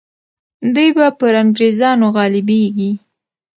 دوی به پر انګریزانو غالبیږي.